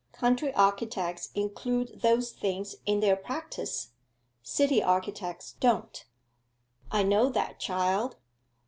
Country architects include those things in their practice; city architects don't.' 'I know that, child.